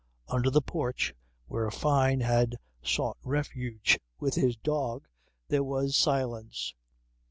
Under the porch where Fyne had sought refuge with the dog there was silence.